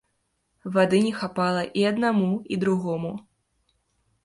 Вады не хапала і аднаму, і другому.